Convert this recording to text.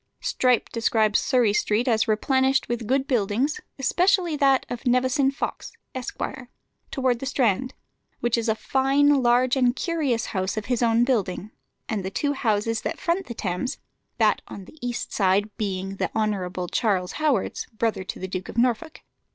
Strype describes Surrey Street as replenished with good buildings, especially that of Nevison Fox, Esq., towards the Strand, "which is a fine, large, and curious house of his own building," and the two houses that front the Thames, that on the east side being the Hon. Charles Howard's, brother to the Duke of Norfolk.